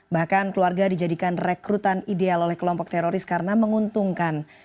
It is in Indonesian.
bahkan keluarga dijadikan rekrutan ideal oleh kelompok teroris karena menguntungkan